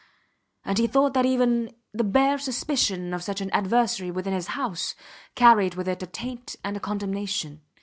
And he thought that even the bare suspicion of such an adversary within his house carried with it a taint and a condemnation.